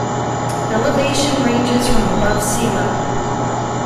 Elevation ranges from above sea level.